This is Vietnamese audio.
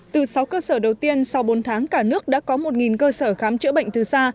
từ sáu cơ sở đầu tiên sau bốn tháng cả nước đã có một cơ sở khám chữa bệnh từ xa